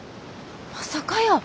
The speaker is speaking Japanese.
まさかやー。